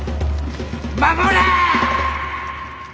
守れ！